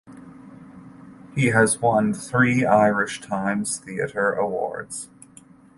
He has won three Irish Times Theatre awards.